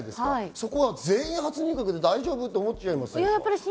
そこが全員初入閣で大丈夫？と思いますよね。